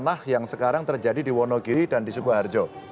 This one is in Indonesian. tanah yang sekarang terjadi di wonogiri dan di subuharjo